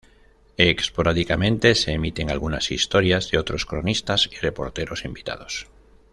Esporádicamente se emiten algunas historias de otros cronistas y reporteros invitados.